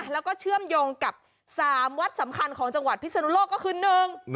แล้วก็เชื่อมโยงกับ๓วัดสำคัญของจังหวัดพิศนุโลกก็คือหนึ่ง